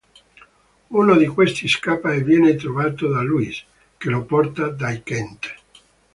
Uno di questi scappa e viene trovato da Lois, che lo porta dai Kent.